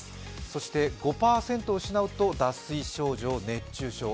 そして５％失うと脱水症状、熱中症。